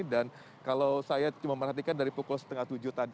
dan kalau saya cuma perhatikan dari pukul setengah tujuh tadi